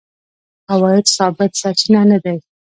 عوایده ثابت سرچینه نه دي.